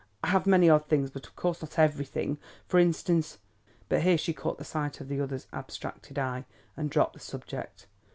"I have many odd things but of course not everything. For instance " But here she caught sight of the other's abstracted eye, and dropped the subject.